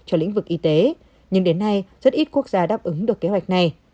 cho lĩnh vực y tế nhưng đến nay rất ít quốc gia đáp ứng được kế hoạch này